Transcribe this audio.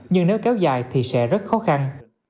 nhưng nếu kéo dài thì sẽ rất khó khăn